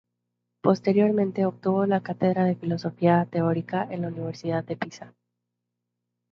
Posteriormente, obtuvo la cátedra de Filosofía teórica en la Universidad de Pisa.